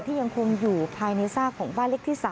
ยังคงอยู่ภายในซากของบ้านเล็กที่๓